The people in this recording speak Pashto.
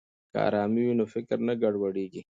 که ارامي وي نو فکر نه ګډوډیږي.